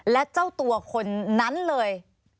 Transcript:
และเจ้าตัวคนนั้นเลย